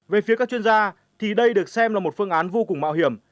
về phía các chuyên gia thì đây được xem là một phương án vô cùng mạo hiểm